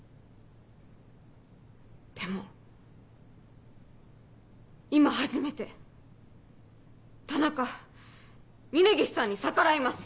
でも今初めて田中峰岸さんに逆らいます。